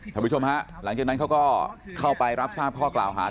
ผู้ชมฮะหลังจากนั้นเขาก็เข้าไปรับทราบข้อกล่าวหา